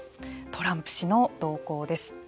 トランプ氏の動向です。